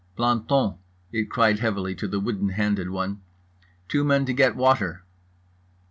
"Planton" it cried heavily to the wooden handed one, "Two men to go get water."